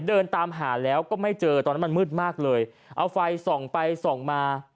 เดินตามหาแล้วก็ไม่เจอตอนนั้นมันมืดมากเลยเอาไฟส่องไปส่องมา